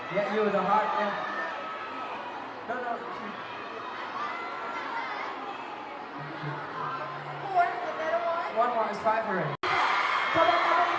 ถ้าเป็นเจ้าของเป็นอันนี้แล้วอ่ะ